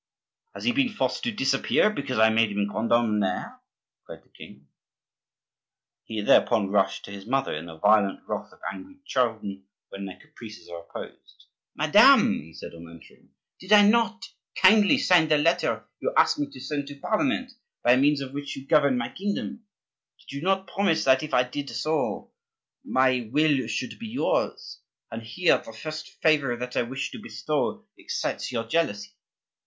"Has he been forced to disappear because I made him grand almoner?" cried the king. He thereupon rushed to his mother in the violent wrath of angry children when their caprices are opposed. "Madame," he said on entering, "did I not kindly sign the letter you asked me to send to Parliament, by means of which you govern my kingdom? Did you not promise that if I did so my will should be yours? And here, the first favor that I wish to bestow excites your jealousy!